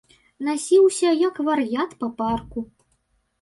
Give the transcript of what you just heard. Насіўся, як вар'ят, па парку.